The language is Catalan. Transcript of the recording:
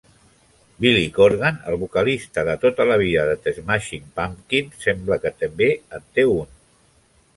Billy Corgan, el vocalista de tota la vida de The Smashing Pumpkins, sembla que també en té un.